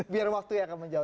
biar waktu yang akan menjawab